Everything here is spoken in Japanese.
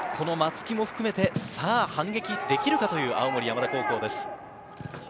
松木も含めて、さぁ反撃できるか？という青森山田高校です。